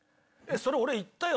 それ俺言ったよ。